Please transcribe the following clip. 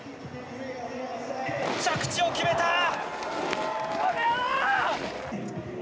着地を決めた！